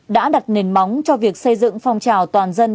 đã đặt nền móng cho việc xây dựng phong trào toàn dân